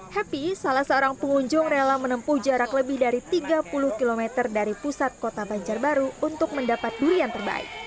happy salah seorang pengunjung rela menempuh jarak lebih dari tiga puluh km dari pusat kota banjarbaru untuk mendapat durian terbaik